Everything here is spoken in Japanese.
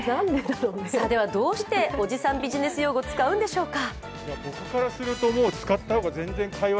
では、どうしておじさんビジネス用語を使うんでしょうか？